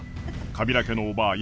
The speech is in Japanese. カビラ家のおばぁ